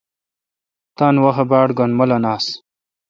تان وحاؘ باڑ گین مولن آس۔